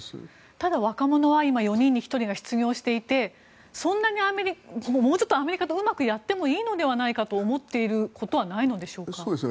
ただ若者は４人に１人が失業していてもうちょっとアメリカとうまくやってもいいのではないかと思っていることはないんでしょうか？